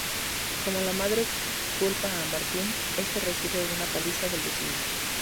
Como la madre culpa a Martin, este recibe una paliza del vecino.